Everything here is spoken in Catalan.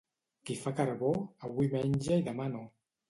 Qui fa carbó, avui menja i demà no.